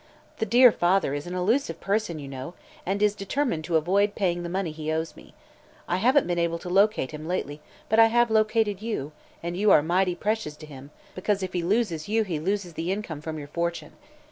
The dear father is an elusive person, you know, and is determined to avoid paying the money he owes me. I haven't been able to locate him, lately, but I have located you, and you are mighty precious to him because if he loses you he loses the income from your fortune.